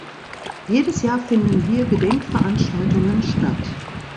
Jedes Jahr finden hier Gedenkveranstaltungen statt.